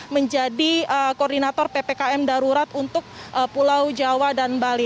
menjadi koordinator ppkm darurat untuk pulau jawa dan bali